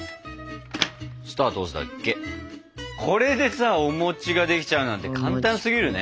これでさお餅ができちゃうなんて簡単すぎるね。